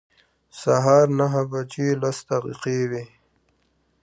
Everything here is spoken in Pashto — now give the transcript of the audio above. سهار نهه بجې لس دقیقې وې.